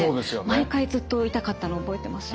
毎回ずっと痛かったの覚えてます。